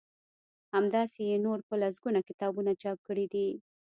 همداسی يې نور په لسګونه کتابونه چاپ کړي دي